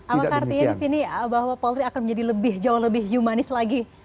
apa keartian disini bahwa polri akan menjadi lebih humanis lagi